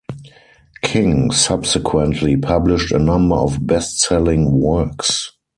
King subsequently published a number of best-selling works.